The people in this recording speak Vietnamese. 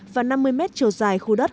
và năm mươi mét trầu dài khu đất